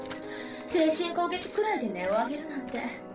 精神攻撃くらいで音を上げるなんて。